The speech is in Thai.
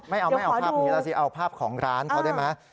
ไม่เอาไม่เอาภาพนี้แล้วสิเอาภาพของร้านเขาได้ไหม